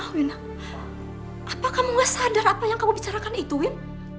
apa kamu gak sadar apa yang kamu bicarakan itu win